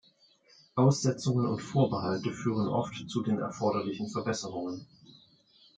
Aussetzungen und Vorbehalte führen oft zu den erforderlichen Verbesserungen.